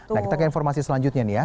nah kita ke informasi selanjutnya nih ya